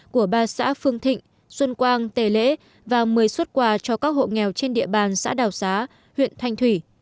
của ba xã phương thịnh xuân quang tề lễ và một mươi xuất quà cho các hộ nghèo trên địa bàn xã đảo xá huyện thanh thủy